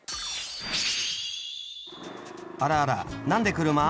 あらあら何で車？